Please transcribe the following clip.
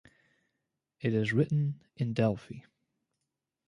It is written in Delphi.